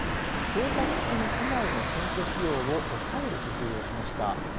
供託金以外の選挙費用を抑える工夫をしました。